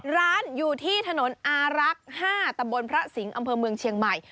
ร้านอยู่ที่ถนนอารักษ์๕ตำบลพระสิงห์อำเภอเมืองเชียงใหม่